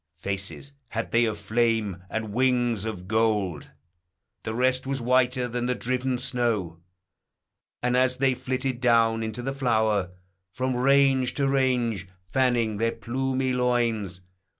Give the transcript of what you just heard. Faces had they of flame, and wings of gold : The rest was whiter than the driven snow; And, as they flitted down into the flower, From range to range, fanning their plumy loins.